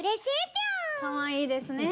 かわいいですね。